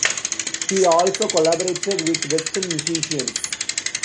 He also collaborated with Western musicians.